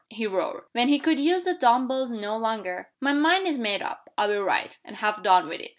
he roared, when he could use the dumb bells no longer. "My mind's made up; I'll write, and have done with it!"